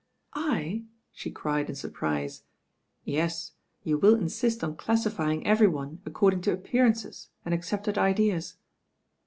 "II" she cried in surprise. "Yes; you will insist on classifying every one aa cording to appearances and accepted ideas."